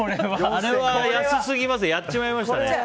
安すぎますやっちまいましたね。